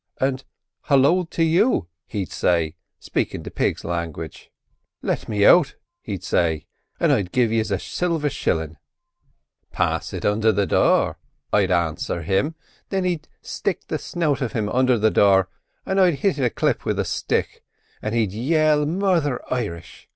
and 'Halloo to you!' he'd say, spakin' the pigs' language. 'Let me out,' he'd say, 'and I'll give yiz a silver shilling.' "'Pass it under the door,' I'd answer him. Thin he'd stick the snout of him undher the door an' I'd hit it a clip with a stick, and he'd yell murther Irish.